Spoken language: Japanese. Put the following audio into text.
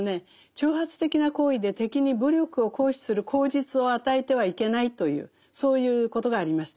挑発的な行為で敵に武力を行使する口実を与えてはいけないというそういうことがありました。